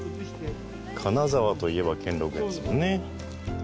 金沢といえば兼六園ですもんね。